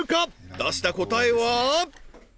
出した答えは？